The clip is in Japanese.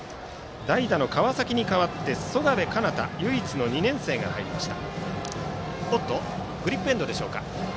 代打の川崎に代わって曽我部夏向唯一の２年生が入りました。